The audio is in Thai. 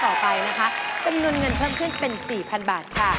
ต่อไปนะคะจำนวนเงินเพิ่มขึ้นเป็น๔๐๐๐บาทค่ะ